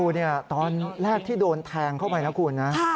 โหดมากนักคุณ